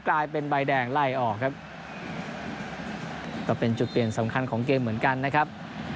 กลายเป็นใบแดงไล่ออกครับก็เป็นจุดเปลี่ยนสำคัญของเกมเหมือนกันนะครับ